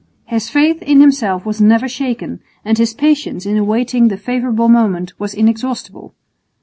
His faith in himself was never shaken, and his patience in awaiting the favourable moment was inexhaustible.